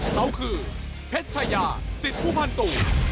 เขาคือเผ็ดชายาสิทธิ์ผู้พันตุ